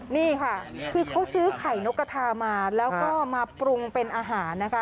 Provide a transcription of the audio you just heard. นี่ค่ะคือเขาซื้อไข่นกกระทามาแล้วก็มาปรุงเป็นอาหารนะคะ